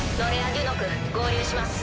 デュノク合流します。